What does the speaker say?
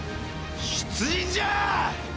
出陣じゃあ！